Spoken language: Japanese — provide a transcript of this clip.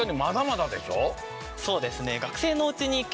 そうですね。